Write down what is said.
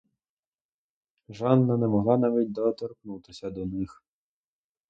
Жанна не могла навіть доторкнутися до них.